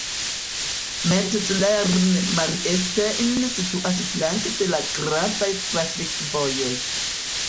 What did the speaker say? Metzleren-Mariastein situas flanke de la gravaj trafikvojoj.